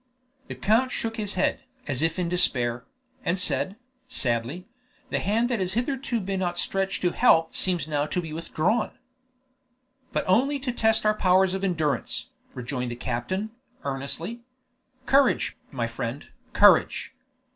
The count shook his head, as if in despair, and said, sadly, "The Hand that has hitherto been outstretched to help seems now to be withdrawn." "But only to test our powers of endurance," rejoined the captain, earnestly. "Courage, my friend, courage!